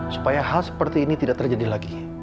supaya hal seperti ini tidak terjadi lagi